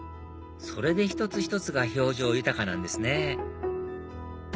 それで一つ一つが表情豊かなんですね！